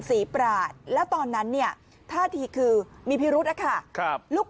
ศรีปราศแล้วตอนนั้นเนี่ยท่าทีคือมีพิรุธนะคะครับลูก